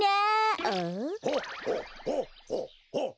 ほっほっほっほっ。